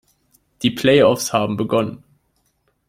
Die Play-Offs haben begonnen.